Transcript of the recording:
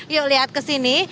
yuk lihat kesini